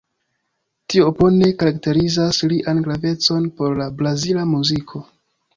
Tio bone karakterizas lian gravecon por la brazila muziko.